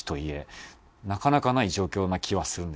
なかなかない状況な気はするんですね。